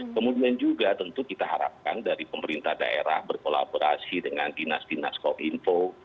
kemudian juga tentu kita harapkan dari pemerintah daerah berkolaborasi dengan dinas dinas kom info